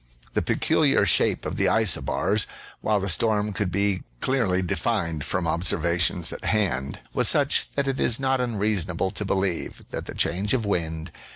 The peculiar shape of the isobars, while the storm could be clearly defined from observations at hand, was such that it is not unreasonable to believe that the change of wind